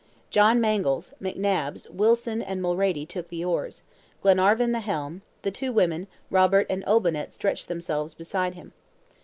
John Mangles, McNabbs, Wilson and Mulrady took the oars; Glenarvan the helm; the two women, Robert and Olbinett stretched themselves beside him.